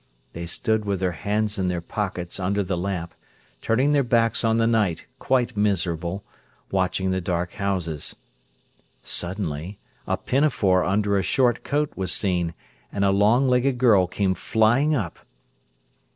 They stood with their hands in their pockets under the lamp, turning their backs on the night, quite miserable, watching the dark houses. Suddenly a pinafore under a short coat was seen, and a long legged girl came flying up.